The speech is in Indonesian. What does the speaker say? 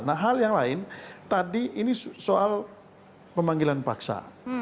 nah hal yang lain tadi ini soal pemanggilan paksa